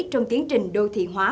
trong tiến trình đô thị hóa